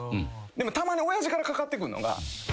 でもたまに親父からかかってくるのが。